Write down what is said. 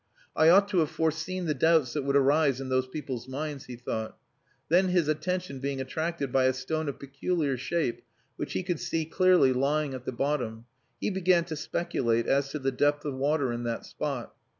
"I ought to have foreseen the doubts that would arise in those people's minds," he thought. Then his attention being attracted by a stone of peculiar shape, which he could see clearly lying at the bottom, he began to speculate as to the depth of water in that spot.